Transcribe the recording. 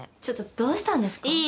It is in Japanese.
ちょっとどうしたんですか？